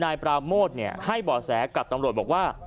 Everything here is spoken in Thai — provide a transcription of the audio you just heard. นายปราโมทให้บ่อแสกับตำรวจบอกว่า